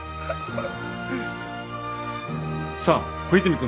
さあ小泉君。